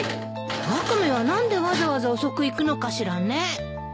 ワカメは何でわざわざ遅く行くのかしらね。